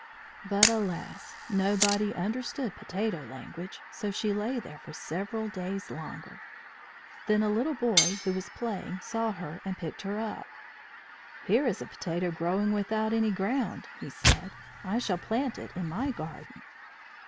But, alas! nobody understood potato language, so she lay there for several days longer. Then a little boy who was playing saw her and picked her up. "Here is a potato growing without any ground," he said. "I shall plant it in my garden."